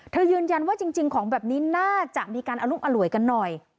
ยืนยันว่าจริงของแบบนี้น่าจะมีการอรุมอร่วยกันหน่อย